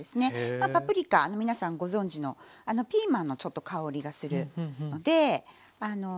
まあパプリカ皆さんご存じのピーマンのちょっと香りがするのですごくおいしいです。